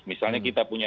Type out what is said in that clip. misalnya kita punya